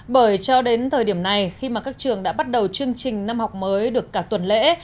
bởi cho đến thời điểm này khi mà các trường đã bắt đầu chương trình năm học mới được cả tuần lễ